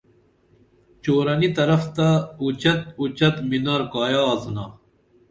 چورَنی طرف تہ اُچیت اُچیت مِنار کایہ آڅِنا